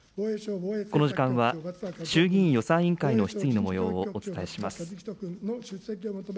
この時間は、衆議院予算委員会の質疑のもようをお伝えします。